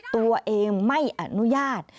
ตัวเองไม่อนุญาต